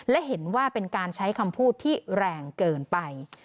และเห็นว่าเป็นการใช้คำพูดที่แรงเกินไป